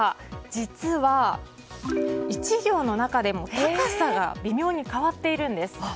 実は１行の中でも高さが微妙に変わっているんです。